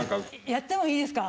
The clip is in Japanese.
「やってもいいですか？」